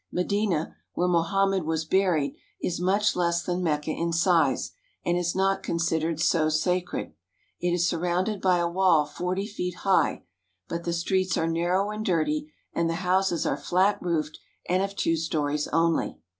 Medina, where Mohammed was buried, is much less than Mecca in size, and is not considered so sacred. It is surrounded by a wall forty feet high ; but the streets are narrow and dirty, and the houses are flat roofed and of two stories only.